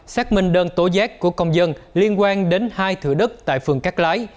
xác minh đơn tố giác của công dân liên quan đến hai thửa đất tại phường cát lái